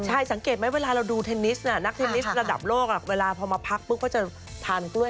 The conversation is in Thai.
ใช่สังเกตไหมเวลาเราดูเทนนิสนักเทนนิสระดับโลกเวลาพอมาพักปุ๊บก็จะทานกล้วย